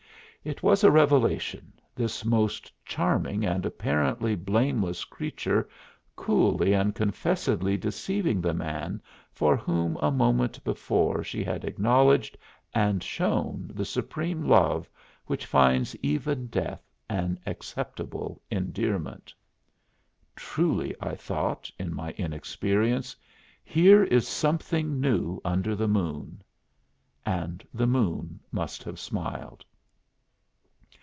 It was a revelation this most charming and apparently blameless creature coolly and confessedly deceiving the man for whom a moment before she had acknowledged and shown the supreme love which finds even death an acceptable endearment. "Truly," I thought in my inexperience, "here is something new under the moon." And the moon must have smiled.